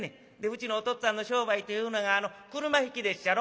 うちのお父っつぁんの商売というのがあの車引きでっしゃろ。